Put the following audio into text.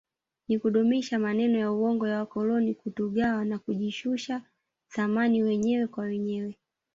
Ni kudumisha maneno ya uongo ya wakoloni kutugawa na kujishusha thamani wenyewe kwa wenyewe